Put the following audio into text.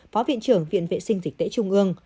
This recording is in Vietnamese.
phó viện trưởng viện vệ sinh dịch tễ trung ương